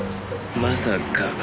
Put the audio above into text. まさか。